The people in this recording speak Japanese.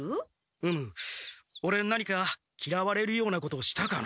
うむオレ何かきらわれるようなことしたかな？